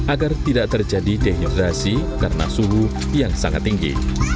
agar tidak terjadi dehidrasi karena suhu yang sangat tinggi